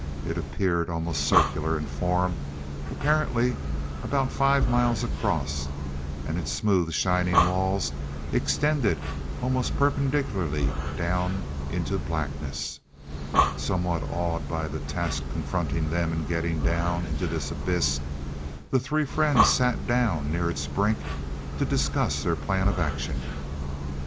It appeared almost circular in form, apparently about five miles across, and its smooth, shining walls extended almost perpendicularly down into blackness. Somewhat awed by the task confronting them in getting down into this abyss, the three friends sat down near its brink to discuss their plan of action.